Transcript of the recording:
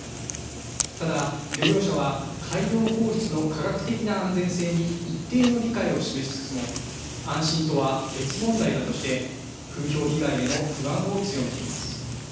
ただ漁業者は海洋放出の科学的な安全性に一定の理解を示しつつも安心とは別問題だとして風評被害への不安を強めています。